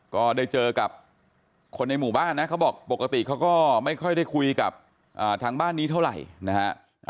ก็ได้เจอกับคนในหมู่บ้านนะเขาบอกปกติเขาก็ไม่ค่อยได้คุยกับทางบ้านนี้เท่าไหร่นะฮะ